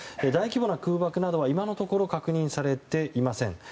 大規模な空爆などは今のところ確認されていません。